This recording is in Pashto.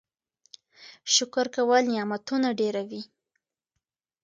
شکر کول نعمتونه ډېروي.